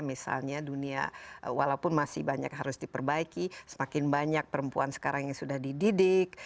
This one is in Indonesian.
misalnya dunia walaupun masih banyak harus diperbaiki semakin banyak perempuan sekarang yang sudah dididik